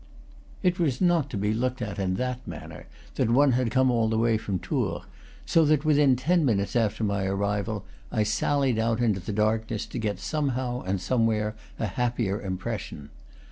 It was not to be looked at in that manner that one had come all the way from Tours; so that within ten minutes after my arrival I sallied out into the dark ness to get somehow and somewhere a happier im pression.